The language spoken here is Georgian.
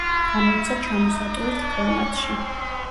გამოიცა ჩამოსატვირთ ფორმატში.